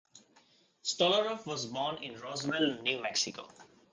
Stolaroff was born in Roswell, New Mexico.